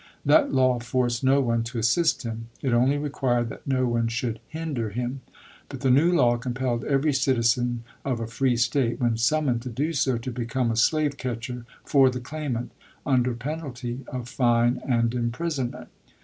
That law forced no one to assist him ; it only required that no one should hinder him. But the new law compelled every citizen of a free State, when summoned to do so, to become a slave catcher for the claimant, under penalty of fine and imprisonment.